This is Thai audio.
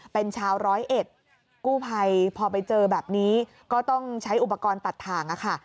เป็นชาวร้อยเอ็ดกู้ภัยพอไปเจอแบบนี้ก็ต้องใช้อุปกรณ์ตัดทางค่ะ